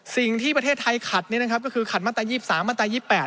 สิ่งที่ประเทศไทยขัดเนี่ยนะครับก็คือขัดมาตรายีบ๓มาตรายีบ๘